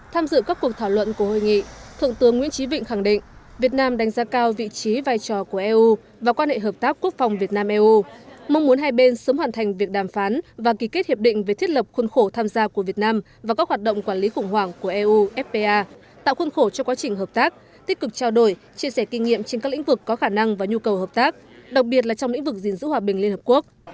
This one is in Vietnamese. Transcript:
tham dự các cuộc thảo luận của hội nghị thượng tướng nguyễn trí vịnh khẳng định việt nam đánh giá cao vị trí vai trò của eu và quan hệ hợp tác quốc phòng việt nam eu mong muốn hai bên sớm hoàn thành việc đàm phán và kỳ kết hiệp định về thiết lập khuôn khổ tham gia của việt nam và các hoạt động quản lý khủng hoảng của eu fpa tạo khuôn khổ cho quá trình hợp tác tích cực trao đổi chia sẻ kinh nghiệm trên các lĩnh vực có khả năng và nhu cầu hợp tác đặc biệt là trong lĩnh vực gìn giữ hòa bình liên hợp quốc